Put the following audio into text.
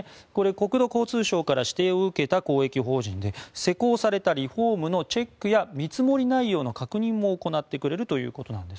国土交通省から指定を受けた公益法人で施工されたリフォームのチェックや見積内容の確認も行ってくれるということです。